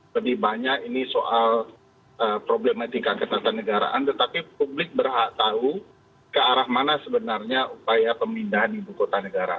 lebih banyak ini soal problematika ketatanegaraan tetapi publik berhak tahu ke arah mana sebenarnya upaya pemindahan ibu kota negara